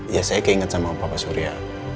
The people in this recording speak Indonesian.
ya saya keinget sama bapak surya